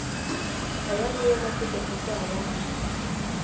aya ni yo mategeko uzabaha